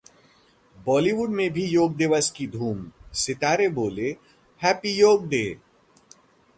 बॉलीवुड में भी योग दिवस की धूम, सितारे बोले- हैप्पी योग डे